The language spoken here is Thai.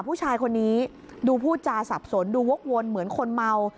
ผู้ชายคนนี้ดูพูดจาสับสนดูวกวนเหมือนคนเมา